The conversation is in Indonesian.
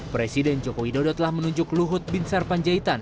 presiden joko widodo telah menunjuk luhut bin sarpanjaitan